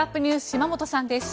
島本さんです。